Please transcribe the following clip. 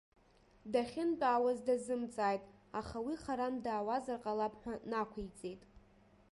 Дахьынтәаауаз дазымҵааит, аха уи харантә даауазар ҟалап ҳәа нақәиҵеит.